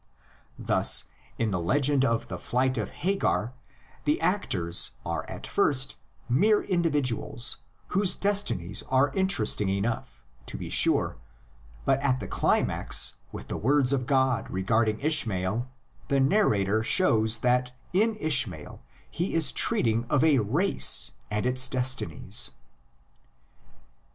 Thus in the legend of the flight of Hagar the actors are at first mere indi viduals whose destinies are interesting enough, to be sure, but at the climax, with the words of God regarding Ishmael the narrator shows that in Ishmael he is treating of a race and its destinies.